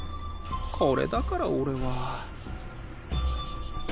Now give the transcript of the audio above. これだから俺は。